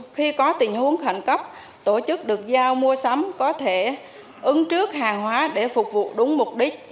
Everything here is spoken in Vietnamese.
khi có tình huống khẩn cấp tổ chức được giao mua sắm có thể ứng trước hàng hóa để phục vụ đúng mục đích